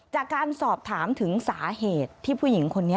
จากการสอบถามถึงสาเหตุที่ผู้หญิงคนนี้